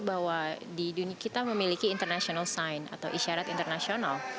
bahwa di dunia kita memiliki international sign atau isyarat internasional